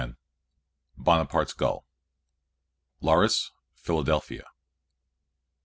] BONAPARTE'S GULL. (_Larus Philadelphia.